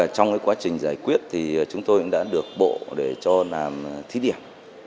trong quá trình giải quyết chúng tôi đã được bộ để cho làm thí điểm